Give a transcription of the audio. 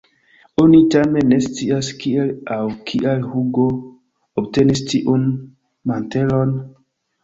Oni tamen ne scias kiel aŭ kial Hugo obtenis tiun mantelon.